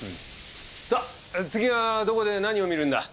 さあ次はどこで何を見るんだ？